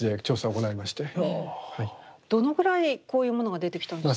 どのぐらいこういうものが出てきたんですか？